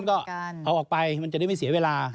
แล้วก็เอาออกไปมันจะได้ไม่เสียเวลา